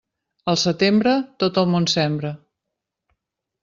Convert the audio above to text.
Al setembre, tot el món sembre.